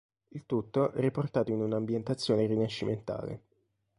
Il tutto riportato in una ambientazione rinascimentale.